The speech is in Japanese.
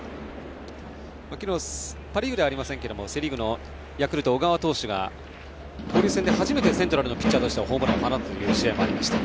昨日はパ・リーグではありませんがセ・リーグのヤクルト小川投手が交流戦で初めてセントラルのピッチャーとしてホームランを打つ試合もありました。